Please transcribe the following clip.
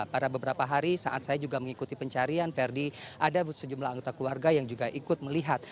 pada beberapa hari saat saya juga mengikuti pencarian verdi ada sejumlah anggota keluarga yang juga ikut melihat